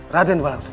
raden walau susah